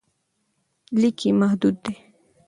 لیک یې محدود دی.